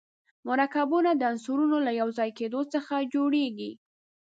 مرکبونه د عنصرونو له یو ځای کېدو څخه جوړیږي.